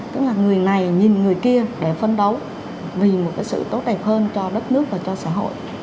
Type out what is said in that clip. tức là người này nhìn người kia để phân đấu vì một cái sự tốt đẹp hơn cho đất nước và cho xã hội